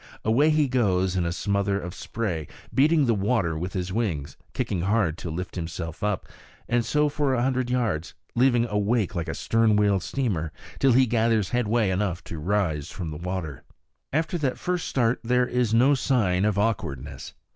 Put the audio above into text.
Away he goes in a smother of spray, beating the water with his wings, kicking hard to lift himself up; and so for a hundred yards, leaving a wake like a stern wheel steamer, till he gathers headway enough to rise from the water. After that first start there is no sign of awkwardness.